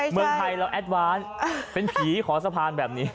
เมืองไทยเราแอดวานเป็นผีขอสะพานแบบนี้